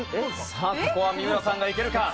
さあここは三村さんがいけるか？